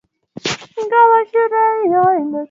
Ingawa shule hiyo imekuwa ikipokea misaada mingi